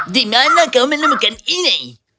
dimana kau menemukan ini